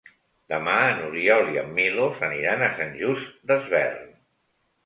Demà n'Oriol i en Milos aniran a Sant Just Desvern.